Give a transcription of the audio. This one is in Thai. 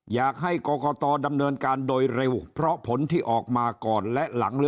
อยากให้กรกตดำเนินการโดยเร็วเพราะผลที่ออกมาก่อนและหลัง